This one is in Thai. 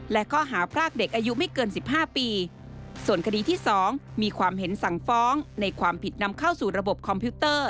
และข้อหาพรากเด็กอายุไม่เกินสิบห้าปีส่วนคดีที่สองมีความเห็นสั่งฟ้องในความผิดนำเข้าสู่ระบบคอมพิวเตอร์